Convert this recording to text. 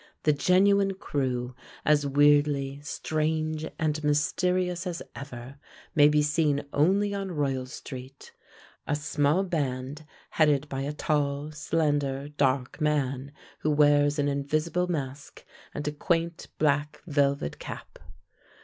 The genuine Krewe, as weirdly, strange and mysterious as ever, may be seen only on Royal Street, a small band headed by a tall, slender, dark man, who wears an invisible mask and a quaint black velvet cap.